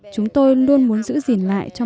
chúng tôi luôn muốn giữ gìn lại